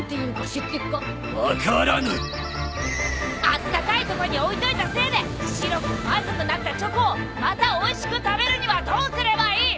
あったかいとこに置いといたせいで白くまずくなったチョコをまたおいしく食べるにはどうすればいい？